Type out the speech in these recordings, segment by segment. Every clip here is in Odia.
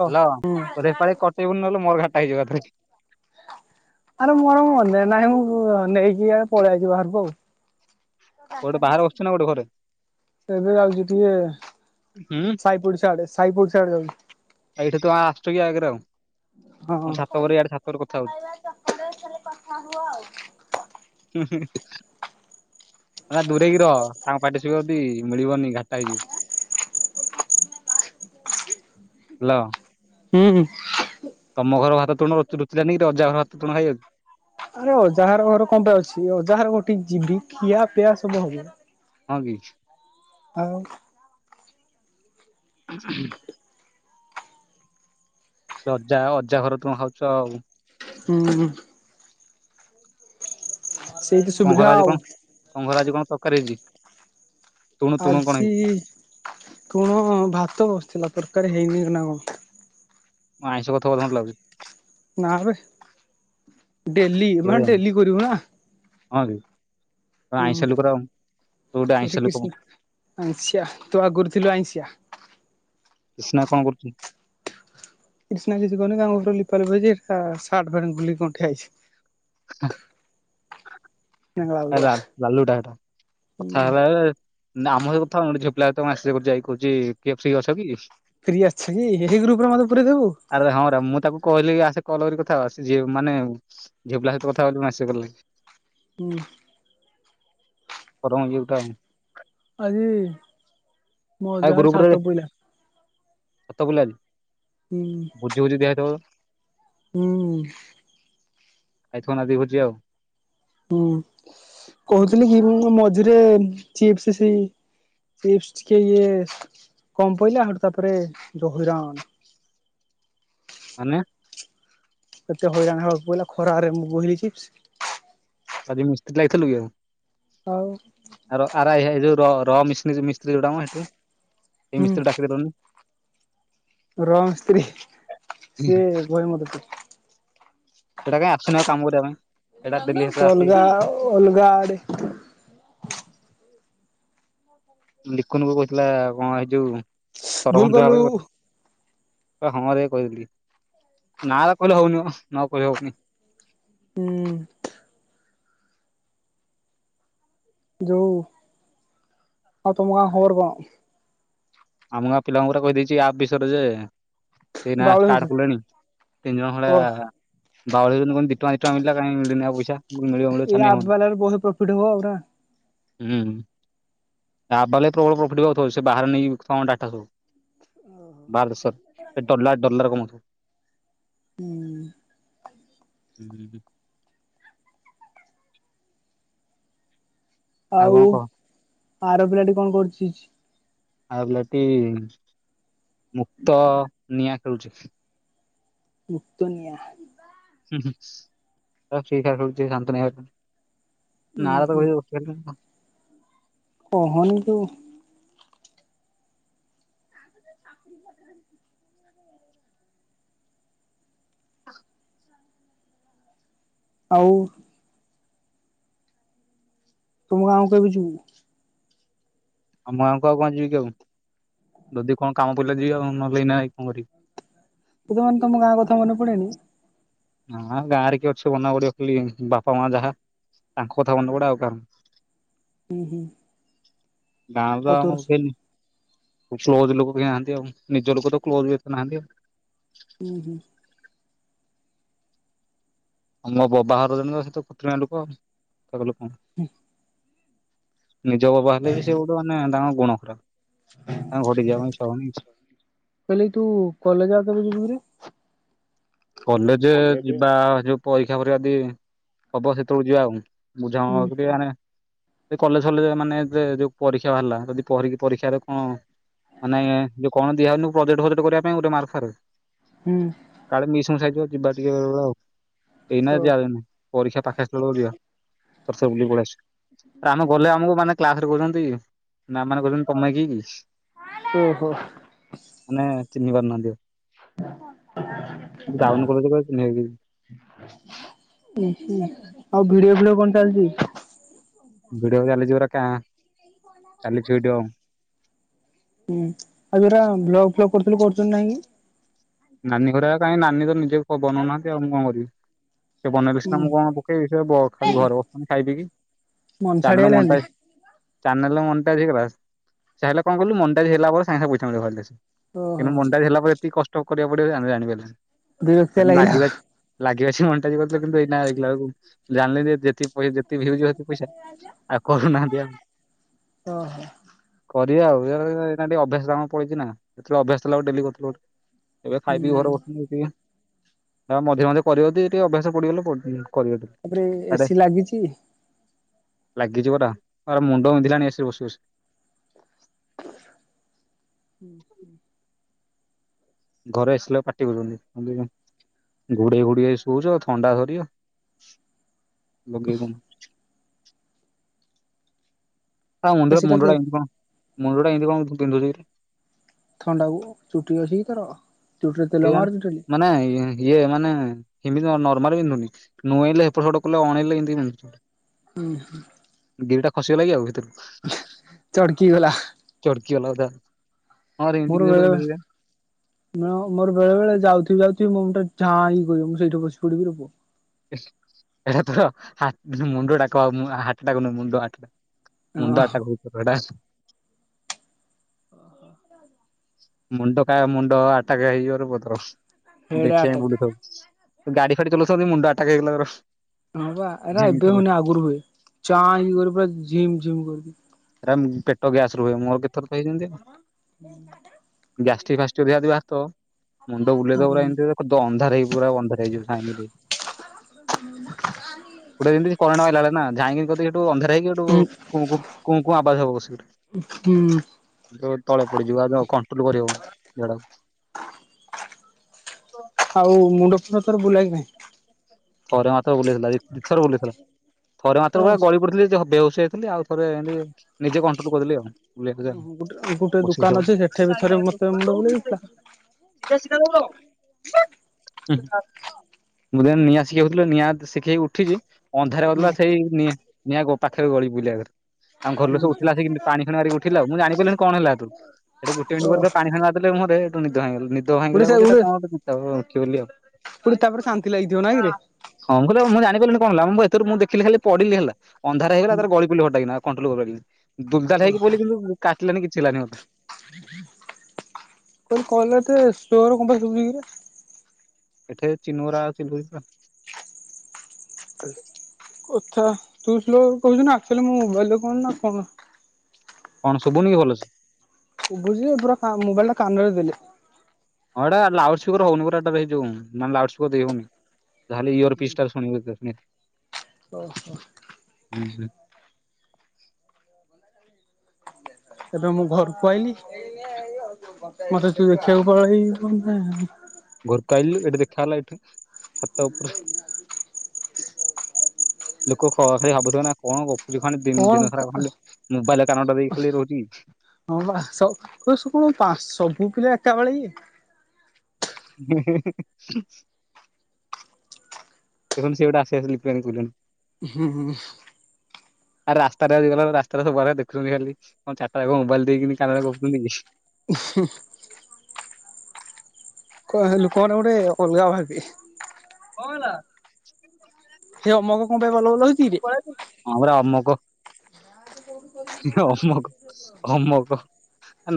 ଓ ହାଲୋ ତୋର ଏପାଳି କଟେଇବୁନି ନହଲେ ମୋର ଘାଟା ହେଇଯିବ ଏଥିରେ। ଆରେ ମୋର ମନେନାହିଁ ମୁଁ ନେଇକି ୟାଡେ ପଳେଇ ଆଇଚି ବାହାରକୁ ଆଉ। କୁଆଡେ ବାହାରେ ବସଚୁ ନା କୋଉଠି ଘରେ? ଏବେ ଯାଉଚି ଟିକେ ହୁଁ ସାଇପଡିସା ଆଡେ ସାଇପଡିସା ଆଡେ ଯାଉଚି। ଏଇଠି ତୁ ଆସୁଛୁ କି ଆଗରେ ଆଉ ହଁ। ମୁଁ ଛାତ ଉପରେ ୟାଡେ ଛାତରୁ କଥାହୋଉଚି। ତାହେଲେ କଥାହୁଅ ଆଉ। ଏ ଦୂରେଇକି ରହ ତାଙ୍କ ପାଟିି ଶୁବିବ ଯଦି ମିଳିବନି ଘାଟା ହେଇଯିବ। [unintelligible] ହାଲୋ। ହୁଁ ହୁଁ। ତମ ଘର ଭାତ ତୁଣ ରୁଚୁ-ରୁଚିଲା ନେଇକି ତୋ ଅଜାଘର ଭାତ ତୁଣ ଖାଇଯାଉଚୁ? ଆରେ ଅଜାହର ଘର କଣ ପାଇଁ ଅଛି ଅଜାହର ଘଟିକି ଯିବି ଖିଆ ପିଆ ସବୁ ହବ। ହଁ କି। ଆଉ ରଜା-ଅଜା ଘର ତୁଣ ଖାଉଚୁ ଆଉ। ହୁଁ। ସେଇଠି ତମ ସୁବିଧା ଘରେ ଆଜି ଆଉ କଣ ତମ ଘରେ ଆଜି କଣ ତରକାରୀ ହେଇଚି? ଆଜି ତୁଣ ଭାତ ବସିଥିଲା ତର କାରୀ ହେଇନି ନା କଣ। ଆଇଁଷ କଥା ବୋଧେ ମତେ ଲାଗୁଚି। ନା ବେ ଡେଲି ମାନେ କେଜାଣି ଡେଲି କରିବୁ ନା। ହଁ ରେ। ହୁଁ ତୁ ଗୋଟେ ଆଇଁଷ ସେଠି ଲୋକ କ୍ରିଷ୍ଣା, ଆଛା ତୋ ଆଗରୁ ଥିଲୁ ଆଇଁଶିଆ। କ୍ରିଷ୍ଣା କଣ କରୁଚି? କ୍ରିଷ୍ଣା କିଛି କରୁନି [unintelligible] ଲିପା ଲିପି ହଇଛି ସାର୍ଟ ପ୍ୟାଣ୍ଟ ନେବ ବୋଲି କଣ ଠିଆ ହେଇଛି। ନାଙ୍ଗଳା ବଗଳା ଲା ବାଲୁଟା ଏଟା କଥା ହୁଁ ହେଲା ବେଳେ ନା ଆମ ସହିତ କଥା ହଉନି, ଝିଆପିଲା ସହିତ ମେସେଜ କରୁଚି ଆଇ କହୁଚି କେପସି ଅଛ କି? ଫ୍ରି ଅଛି କି ଏହି ଗ୍ରୁପରେ ମତେ ପୁରେଇ ଦବୁ। କହିଲେ କି ଆସେ କଲ କରି କଥା ହବା ସେ ଝିଅ ମାନେ ଝିଅପିଲା ସହିତ କଥା ହବ ବୋଲି ମେସେଜ୍ କଲେ। ଉଁ। [unintelligible] ଆଜି ଅଜା ଘର ଛାତ ପଇଲା। ଛାଟ ପାଇଲା ଆଜି, ହୁଁ ଭୋଜି ଫୋଜି ଦିଆ ହେଇଥିବ ତ। ହୁଁ। [unintelligible] ଆଉ। ହୁଁ କହୁଥିଲି କି ଉଁ ମଝିରେ ଚିପ୍ସ ସେଇ ଚିପ୍ସ ଟିକେ ଇଏ କମ ପଇଲା ଆ ଶୋଉଠୁ ତାପରେ ଯୋଉ ହଇରାଣ। ମାନେ କେତେ ହଇରାଣ ହେବାକୁ ପାଇଲା ଖରାରେ ମୁଁ ବୋହିଛି। ଆଜି ମିସ୍ତ୍ରୀ ଲାଗିଥିଲୁ କି ଆଉ ଆର ଆରା ଏ ଯାଉ ର ର ମିସ୍ରି ମିସ୍ତ୍ରୀ ଯୋଉ ଆମ ଏଠୁ ଏ ମିସ୍ତ୍ରୀ ଡାକି ଦେଲୁନି। ର ସ୍ତ୍ରୀ ସିଏ [unintelligible] ସେଇଟା କାଇଁ ଆସୁନି ଆଉ କାମ କରିବା ପାଇଁ। ସେଇଟା ଡେଲି ହେତେବେଳେ ଆସି ଅଲଗା ଆଉ ଅଲଗା ଆଡ଼େ। ଲିକୁନକୁ କହୁଥିଲା କଣ ଏଇ ଯୋଉ ଭୁଲ ସରପଞ୍ଚ କଲୁ ଭାବେ ହଁରେ କହି ଦେଇଥିଲି ନା ବା କହିଲେ ହଉନି ମୋ, ନ କରି ହଉନି। ହୁଁ। ଯୋଉ ହଉ ଆଉ ତମ ଗାଁ ଖବର କଣ? ଆମ ଗାଁ ପିଲାଙ୍କୁ ପୁରା କହି ଦେଇଛି ଆ ବିଷୟରେ ଯେ ସେ ଏଇନା ବାଉଳି ଷ୍ଟାର୍ଟ ହଉଛ? କଲେଣି ତିନିଜଣ ଓ ଭଳିଆ ବାଉଳିଲେଣି କହୁଛନ୍ତି ଦି ଟଙ୍କା, ଦି ଟଙ୍କା ମିଳିଲା କାଇଁ ମିଳିନି ଆଉ ପଇସା। ମିଳିବ ମିଳିବ ଏ ଛାନିଆ ଆପ୍ ହଉନି। ବାଲାର ବହେ ପ୍ରଫିଟ ହବ ପୁରା। ହୁଁ, ଆପ ବାଲାର ପ୍ରବଳ ପ୍ରଫିଟ ହଉଥିବ ସେ ବାହାର ଲିଙ୍କ୍ ହଁ ଡାଟା ସବୁ ବାହାର ଦେଶ ଡଲାର ଡଲାର କମଉଥିବେ। ହୁଁ। ହୁଁ ହୁଁ। କଣ ଆଉ କହ ଆର ପିଲାଟି କଣ କରୁଛି-ଛି। ଆଉ ପିଲାଟି ମୁକ୍ତ ନିଆଁ ଖେଳୁଛି। ମୁକ୍ତ ନିଆଁ। ହୁଁ-ହୁଁ [unintelligible] ଫ୍ରି ଫାୟାର ଖେଳୁଛି ଶାନ୍ତନୁ ହେଙ୍କା ଉଁ ହୁଁ ସହିତ। [unintelligible] କହନି ତ। ଅ [inaudible] ଆଉ। ତମ ଗାଁକୁ କେବେ ଯିବୁ? ଆମ ଗାଁକୁ ଆଉ କଣ ଯିବି କି, ଆଉ। ଯଦି କଣ କାମ ପଇଲ ଯିବି ଆଉ। ନହେଲେ ଏଇନା ଯାଇକି କଣ କରିବି? କେବେ ମାନେ, ତମ ଗାଁ କଥା ମନେ ପଡେନି। ନା, ଗାଁରେ କିଏ ଅଛି ମନେ ପଡିବ, ଖାଲି ବାପା ମା ଯାହା। ତାଙ୍କ କଥା ମନ ପଡେ, ଆଉ କାହାର। ହୁଁ ହୁଁ। ଗାଁ ରେ ତ ଆଉ ତୋର ଆମର କେହି କ୍ଲୋଜ ଲୋକ ବି ନାହାନ୍ତି ଆଉ। ନିଜ ଲୋକ ତ କ୍ଲୋଜ ଏତେ ନାହାନ୍ତି ଆଉ। ହୁଁ ହୁଁ ଆମ ବବା ଘର ଜଣେ ତ, ସେ ତ [unintelligible] ଲୋକ ଲୋକ। ନିଜ ବବା ହେଲେ ବି ସେ ଗୋଟେ, ମାନେ ତାଙ୍କର ଗୁଣ ଖରାପ। ତାଙ୍କ ଘଟିକି ଯିବା ପାଇଁ ଇଚ୍ଛା ହଉନି ଆଉ। କହିଲ, ତୁ କଲେଜ ଆଉ କେବେ ଯିବୁ କିରେ? କଲେଜ ଯିବା ଯୋଉ। ପରୀକ୍ଷା ପରୀକ୍ଷା ଦିଆ ହବ, ସେତେବେଳକୁ ଯିବା ଆଉ। ହୁଁ [unintelligible] କଲେଜ ହେଲେ, ମାନେ ଯୋଉ ପରୀକ୍ଷା ବାହାରିଲା। ଯଦି, ପିକି ପରୀକ୍ଷାରେ କଣ ନାଇଁ, ଯଉ କଣ ଦିଆଉନ, ପ୍ରୋଜେଟଜଟ କରିବା ପାଇଁ ଗୋଟେ ମାରଫାର୍। ହୁଁ। [unintelligible] ଏଇ ନା ଓ ଯାଉନି। ପରୀକ୍ଷା ପାଖେ ଆସିଲ ବେଳକୁ ଯିବା। ଆ ଆମେ ଗଲେ ଆମକୁ ମାନେ କ୍ଲାସ ରେ କହୁଛନ୍ତି। ମାମ୍ ମାନେ କହୁଛନ୍ତି, ତମେ କି କି? ଓ ହୋ। ମାନେ ଚିହ୍ନି ପାରୁନାହାନ୍ତି। ଓ ହଁ ଡାଉନ କଲେଜ କୁ ଚିହ୍ନି ହେବି [inaudible] ଆ [inaudible] ଆଉ ଭିଡିଓ ଭିଡିଓ କଣ ଚାଲିଛି? ଭିଡିଓ ଚାଲିଛି ପୁରା କା, ଚାଲିଛି ଭିଡିଓ ଆଉ। ହୁଁ, ଆଉରାା ବ୍ଲଗ ଫ୍ଲ କରର୍ଥିଲଥିଲ କରଚ ନାହିଁ। ନାନୀ ଘରେ କାହିଁ, ନାନୀ ତ ନିଜେ ବନାଉନହନ୍ତି ଆଉଁ କଣ କରିବି। ସେ ବନେଇଲେ ସିନା, ହୁଁ ମୁଁ କଣ ପକେଇବି। ଖାଲି ଘରେ ବସଛନ୍ତି ଖାଇ ପିକି। ମନସାଡିଆ ଚାନେଲେ ହେଲି ମଣ୍ଟାଇଯ ଚନେଲେ ମନ୍ ହେଲେ କଣ କହିଲୁ। ମଣ୍ଟାଇଜ ହେଲା ପରେ ସାଙ୍ଗେ ପଇାସା ମିଳିବ। ଓହୋ କିନ୍ତୁ ମେଣ୍ଟାଇଜ ହେଲା ପରେ, ଏତିକ କଷ୍ଟ କରିବାକୁ ପଡିବ ଆମେ। [unintelligible] ବର୍କ୍ତିଆ ଲାଗିଲା ଆଉ। ଟ ଅଛି ମଣ୍ଟା କରିଥିଲେ। କିନ୍ତୁ, ଏଇ ଏଗାକୁ ଜାିଲେ ଯେତିି ପଇା ଯେତେ ଭି ହେଉଛି, ପଇସା ଆଉ କରୁନାହାନ୍ତି। ଆ ଓ ହୋ। କରିବା ଆଉ, ଟ ଅଭ୍ୟାସ କ ପଡିଛି ନା। ଯେତେବେଳେ ଅଭ୍ୟାସଥିଲା। ଡେ ଏବେ ଖାଇ ପିଇ ହୁଁ। ଘର ବସନିିକେ। ଯ ମେ ମ କରିବି ଟିକେ, ଅଭ୍ୟାସ ପଡିଗଲେ ପଡ଼ି ଯିବେ। ତାପରେ, ଏସି ଲାଗିଛି। ଲାଗିଯିବଟା, ମୁଣ୍ଡ ବିନ୍ଧିଲାଣି ଏସରେ ବସି ବସି। ହୁଁ ହୁଁ। ଘରେ ଆସିଲେ, ପାଟି କରୁଛନ୍ତି। ଘୋଡେ ଗୁଡ ସୁଉଚ, ଥଣ୍ଡା ଧରିବ। ଲଗେଇ ହଁ ମୁଣ୍ଡ, ଏସିି ଟା ମୁଣ୍ଡା ମୁଣ୍ଡା ଏତିୁରେ ଥଣ୍ଡା ଚୁଟି ଅଛି, କି ତର। କେଇଜାଣେ ମାନେଇ ଇଏ ମାନେ ଏମିତି ନର୍ମାଲ ବିନ୍ଧୁନି ନୁଏଇଁଲେ ଏପଟ ସେପଟ କଲେ ଅଣେଇଲେ ଏମିତି ବିନ୍ଧୁଛି ଆ ହ ଗିରିଟା ଖସିଗଲାକି ଆଉ ଭିତୁରୁ ଚଡ଼କି ଗଲା କି ଗଲା ବୋଧେଉ ମୋର ବେଳେ ମୋର ବେଳେ ବଳେ ଯାଉଥିବି ଆଉଥିବି ମୋ ମୁଣ୍ଡ ଯାଁଇ କରିବ ମୁଁ ସେଇଠି ବସିପଡ଼ିବି ରେ ପୁଅ ଏଟା ତ ହା ମୁଣ୍ଡ ଟା କହ ମୁଁ ମୁଣ୍ଡ ହାତଟା ନୁହ ମୁଣ୍ଡ ହାତଟା ହଁ ମୁଣ୍ଡ ଆଉ ତା ଗ୍ରୋପ ଫୋଟ ଟା ମୁଣ୍ଡ କା ମୁଣ୍ଡ ଆଟା କେଇ ବର ପତ୍ର ହେଡ୍ ଦେଖି ଚାଇଁ ଆଟାକ୍ ବୁଲୁଥିବୁ ଗାଡି ଫାଡି ଚଲଉଛନ୍ତି ମୁଣ୍ଡ ଆଟାକ ହେଇଗଲା ମୋର ହଁ ବା ଏଟା ଏବେ ହଉନି ଆଗରୁ ହୁଏ ଚାଁଏ କରିକି ପୁରା ଝିମ୍ ଝିମ୍ କରିଦିଏ। ପେଟ ଗ୍ୟାସ୍ ରୁହେ ମୋର କେତେଥର ତ ହେଇଛି ଏମିତି। ଗ୍ୟାଷ୍ଟିକ ଫାଷ୍ଟିକ ଯାହାର ବି ବାହାରୁଥିବ ମୁଣ୍ଡ ବୁଲେଇଦବ ପୁରା ଏମିତି ଅନ୍ଧାର ହେଇ ପୁରା ଅନ୍ଧାର ହେଇଯିବ ସାଇନେ ଗୋଟେ ଯେମିତି କରେଣ୍ଟ ମାଇଲାଭଳିଆ ନା ଯାଇଁକି କଦ ଏଇଠୁ ଅନ୍ଧାର ହେଇକି ଏଠୁ ହୁଁ କୁ କୁ ଆବାଜ ହବ ବସିକିରି। ହୁଁ ତଳେ ପଡିଯିବ ଆଉ କଣ୍ଟ୍ରୋଲ କରିହବନି ଝାଡାକୁ। ଆଉ ମୁଣ୍ଡ ଫୁଣ୍ଡ ତୋର ବୁଲାଏ କି ନାହିଁ? ଥରେ ମାତ୍ର ବୁଲେଇଥିଲା ଦି ଦିଥର ବୁଲେଇଥିଲା ଥରେ ମାତ୍ର ପୁରା ନାହିଁ? ଗଳିପଡ଼ିଥିଲି ବେହୋସ ଥିଲି ଆଉ ଥରେ ଏନତି ନିଜେ କଣ୍ଟ୍ରୋଲ କରିଦେଲି ଆଉ। [unintelligible] ଓହୋ ଗୋଟେ ଗୋଟେ ବସିବୁ ଦୋକାନ ସବୁ ଅଛି ସେଠି ବି ଆଇଲା ଥରେ ଆଇଲା ମତେ [unintelligible] ମୁଣ୍ଡ ବୁଲେଇ କୋଉଠି ଦେଇଥିଲା। ସିଧା ସିଧା ଦୌଡ। ହୁଁ ମୁଁ ନିଆଁ [unintelligible] ନିଆଁ ଶିଖେଇକି ଉଠିଛି ଅନ୍ଧାର [unintelligible] ହୁଁ ସେଇ ନିଆଁ ନିଆଁ କ ପାଖରେ ଗଳିପଇ [unintelligible] ଆମ ଘର ଲୋକ ହୁଁ। ସବୁ ଉଠିଲେ ଆସିକି ପାଣିଫାଣି ମାରିକି ଉଠେଇଲେ। ମୁଁ ଜାଣିପାଲିନି କଣ ହେଲା ସେଠୁ ସେଠି ଗୋଟେ ମିନିଟ ଓ ପରେ ତ ପାଣି ଫାଣି ମାରିଦେଲେ ମୁହଁ ରେ ରୋ ନିଦ ଭାଙ୍ଗି ଗଲା ନିଦ ଭାଙ୍ଗି ଗୋଟେ ଗଲା ସେ କୋହୁଚି ଏଟା କଣ ଗୋଟେ [unintelligible] ଆଉ ଗୋଟେ ତାପରେ ଶାନ୍ତି ଲାଗିଥିବ ନାଇଁ କିରେ? ହଁ। ଅନ୍ଧାର ହେଇଗଲା ତାର ଗଳି ପଡିଲି ହଟା କିନା ଆଉ କଣ୍ଟୁଲୁ କରିପାରିଲିନି ଦୁଲ ଦାଲ ହେଇକି ପାଇଲି କିନ୍ତୁ କାଟିଲାନି କିଛି ହେଲାନି ମତେ। ତୋରି କଲ୍ ଏତେ ସ୍ଲୋରେ କଁ ପାଇଁ ଶୁବୁଚି କିରେ? ଏଠି ଚିନୋରା ଅଛି ବୁଝିପା କଥା ତୁ ସ୍ଲୋ କହୁଚୁ ନା ଆକ୍ଚୋଲି ମୋ ମୋବାଇଲ ଟା କଣ ନା କଣ କଣ ଶୁଭୁନି କି ଭଲ ସେ? ବୁଝିଲେ ପୁରା କା ମୁବାଇଲ ଟା କାନରେ ଦେଲେ। ହଁ ଏଟା ଲାଉଡ ସ୍ପିକର ହୋଉନି ପୁରା ଏଟାରେ ଇଏ ଯୋଉ ଲାଉଡ ସ୍ପିକର ଦେଇ ହୋଉନି। ତାହେଲେ ଇୟର ପିଷ୍ଟା ଶୁଣିବେ ଏଇସିନେ। ଓହୋ। ଉଁହୁଁ। ଏବେ ମୁଁ ଘରକୁ ଆଇଲି ମତେ ତୁ ଦେଖିବାକୁ ପଳେଇ ଆଇଲୁ। [unintelligible] ଘରକୁ ଆଇଲି ଏଠି ଦେଖା ହେଲା ଏଠି ଛାତ ଉପରେ। ଲୋକୋ ଖ ଖାଲି ଭାବୁଥିବେ ନା କଣ ଗ କୋହୁଚି ଖାନି ଦିନ୍ କଣ ଦିନ କା ସାରା ଖଣ୍ଡେ ମୁବାଇଲରେ କାନଟା ଦେଇକି ଖାଲି ରୋହୁଚି। ହଁବା ସ କୋହୁଛନ୍ତି ସବୁ କଣ ପାସ୍ ସବୁ ପିଲା ଏକା ବଳେ ଇଏ [unintelligible] ଦେଖନ୍ତୁ ସିଏ ଗୋଟେ ଆସୁ ଆସୁ ନୀତି ବାଣୀ କହିଲାଣୀ। ହୁଁ ହୁଁ। ଆରେ ରାସ୍ତାରେ ଆଜି ଗଲା ବେଳେ ରାସ୍ତାରେ ସବୁ ଆଡେ ଦେଖୁଛନ୍ତି ଖାଲି କଣ ଚାରିଟା ଯାକ ମୁବାଇଲ ଦେଇକିନି କାନରେ ଗପୁଚନ୍ତି କି? ଉହୁଁ। ଲୋକ ଗୋଟେ ଅଲଗା ଭାବି କଣଲା ସେ ଅମକ କଣ ପାଇଁ ଭଲ ଭଲ ହଉଛି କିରେ ଆମର ଅମକୁ ଅମକ ଅମକ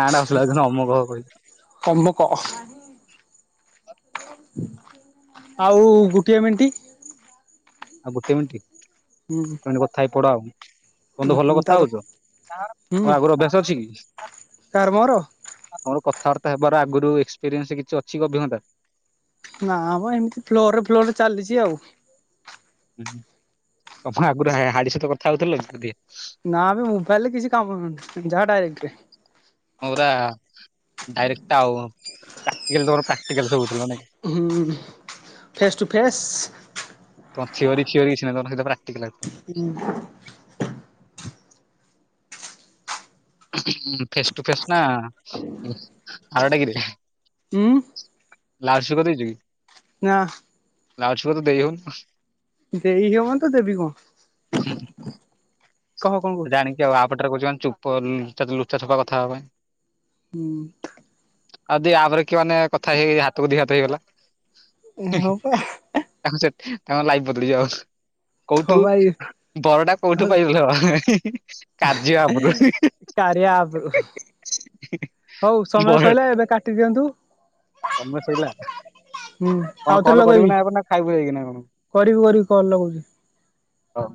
ନାଡା ଅସ ଲ ଅମକ କମ୍ଭ କ ଆଉ ଗୋଟିଏ ମେଣ୍ଟି ଆଉ ଗୋଟେ ମିନିଟ କଥା ହେଇ ପଡ ଆଉ ତୁନ୍ତୁ ଭଲ ହୁଁ କଥା ତାପରେ ହଉଛ ମ ଆଗରୁ ଅଭ୍ୟାସ ଅଛି କି? ମର? ଥାର୍ଥ ହେବାର ଆଗରୁ ଏକ୍ସପିରିଏନ୍ସ କିଛି ଅଛି ଅଭିଜ୍ଞତା। ନାମ ଏମିତି ଫ୍ଲୋ ଫ୍ଲୋର ଚାଲିଛି ଆଉ। ତମ ଆଗରୁ ହାଡି ସହିତ କଥା ହଉଥିଲ ଯଦି ନା ଆମେ ମୋବାଇଲ ରେ କିଛି କାମ କରନ ଯାହା ଡାଇରେକ୍ଟ୍। ପୁର ଡାଇରେକ୍ଟ୍ ଆଉ ପ୍ରଟି ହ ଫେସ୍ ଟୁ ଫେସ୍। ତମ ଥିିରି ଖିରି କିଛି ନା ତ ସେ ପୁରା ହୁଁ। ହ ଫେସ୍ ଟୁ ଫେସ୍ ନା ଅରଡଗରେି ହୁଁ। ଲାଲସ କରି ଦେଇେଇଛି କି? ନାଁ। ଲାଉଛ ତ ଦେଇ ହଉନ? ଦେଇ ହବ ତ ଦେବି କହ। କଣ କହୁଛୁ ଜାଣିକି ଆଉ ଆପରେ କହୁ ଚୁପ ଲୁଚା ଛପା କଥା ହବା ପାଇଁ। ହୁଁ। ଆଉ ଦି ଆଗରେ କି ମାନେ କଥା ହେଇ ହାତକୁ ଦେହତ ହେଇଗଲା। ହୁଁ ହଁ ପା ତାଙ୍କ ସେ ତାଙ୍କର ଲାଇଫ ବଦଳିଯିବ ଆଉ। ତ କୋଉଠୁ ଭାଇ ବରଟା କୋଉଠୁ ପାଇଗଲେ। କାର୍ଯ୍ୟ ଆାବରୁ। କାରିଆ ଆପ ରୁ ହଉ ସମୟ ସୋଇଲା ଏବେ କାଟିଦିଅନ୍ତୁ। ସମୟ ସୋଇିଲା। କଣ ଆଉଥରେ କଲ କରିବୁ ଲଗେଇବି ନାହିଁ ଆପଣ ନା ଖାଇବୁ ହେଇକି ନାହିଁ କଣ? କରିବି କରିବି କଲ ଲଗଉଛି। ହଁ।